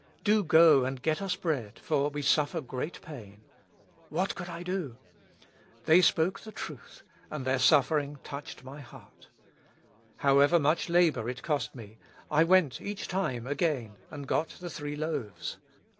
Do go, and get us bread, for we suffer great pain. What could I do ? They spoke the truth, and ^33 With Christ in the School of Prayer. their suffering touched my heart. However much labor it cost me, I went each time again, and got the three loaves.